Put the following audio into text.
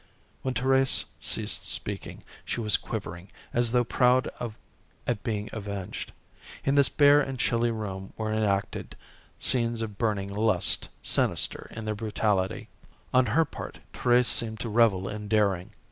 When Thérèse ceased speaking, she was quivering, as though proud at being avenged. In this bare and chilly room were enacted scenes of burning lust, sinister in their brutality. On her part Thérèse seemed to revel in daring.